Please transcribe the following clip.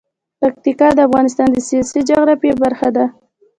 پکتیکا د افغانستان د سیاسي جغرافیه برخه ده.